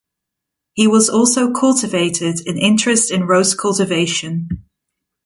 He was also cultivated an interest in rose cultivation.